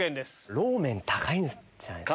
ローメン高いんじゃないですか。